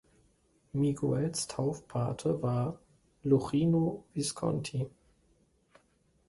Miguels Taufpate war Luchino Visconti.